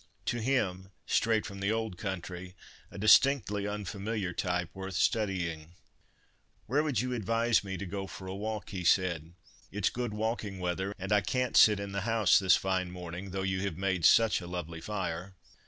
To him, straight from the old country, a distinctly unfamiliar type worth studying. "Where would you advise me to go for a walk?" he said. "It's good walking weather, and I can't sit in the house this fine morning, though you have made such a lovely fire."